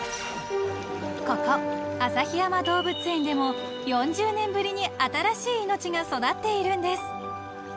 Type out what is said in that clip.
［ここ旭山動物園でも４０年ぶりに新しい命が育っているんです］